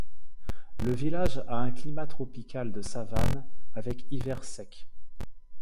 Le village a un climat tropical de savane avec hiver sec.